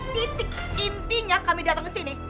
titik intinya kami datang kesini